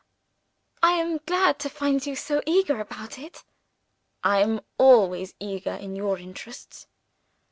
"I am glad to find you so eager about it." "I am always eager in your interests."